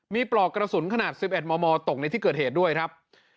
มีปลอกกระสุนขนาด๑๑มมตกในที่เกิดเหตุด้วยครับ